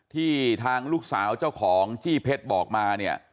ที่ทางลูกสาวเจ้าของจี้เผ็ดบอกมา